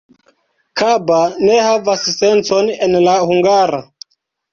Kaba ne havas sencon en la hungara.